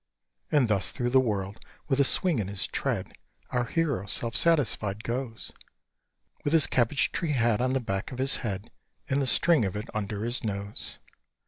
And thus through the world, with a swing in his tread, Our hero self satisfied goes; With his cabbage tree hat on the back of his head, And the string of it under his nose.